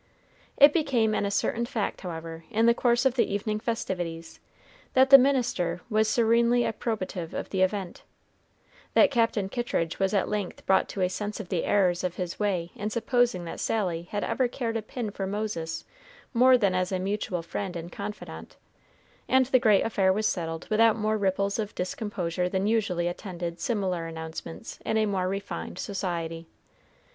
It became an ascertained fact, however, in the course of the evening festivities, that the minister was serenely approbative of the event; that Captain Kittridge was at length brought to a sense of the errors of his way in supposing that Sally had ever cared a pin for Moses more than as a mutual friend and confidant; and the great affair was settled without more ripples of discomposure than usually attend similar announcements in more refined society.